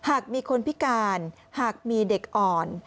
หากมีคนพิการหากมีเด็กอ่อน